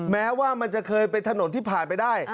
แม้ว่ามันจะเคยเป็นถนนที่ผ่านไปได้